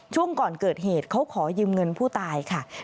ช่วงก่อนเกิดเหตุเขาขอยืมเงินผู้ตายค่ะ